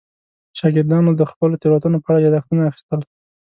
شاګردانو د خپلو تېروتنو په اړه یادښتونه اخیستل.